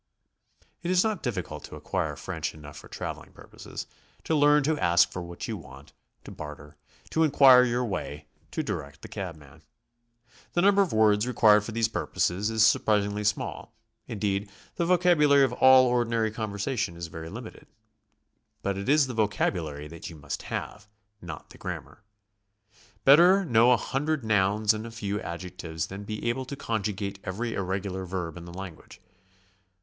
It is not difficult to acquire 'French enough for traveling purposes, to learn to ask for what you want, to barter, to in quire your way, to direct the cabman. The number of words required for these purposes is surprisingly small; indeed, the vocabulary of all ordinary conversation is very limited. But it is the vocabulary that you must have, not the grammar. Better know a hundred nouns and a few adjectives than be able to conjugate every irregular verb in the language.